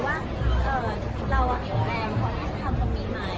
เพราะว่าผมว่ามันก็ใช่แบบนี้